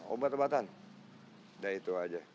obat obatan sudah itu saja